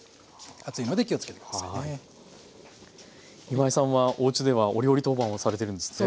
今井さんはおうちではお料理当番をされてるんですって？